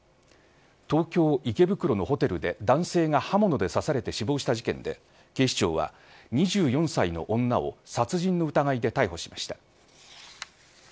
東京、池袋のホテルで男性が刃物で刺されて死亡した事件で警視庁は２４歳の女を殺人の疑いで逮捕しました。